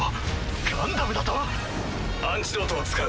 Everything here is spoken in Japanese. ガンダムだと⁉アンチドートを使う。